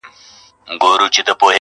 پوهېدل د انسان اړتیا ده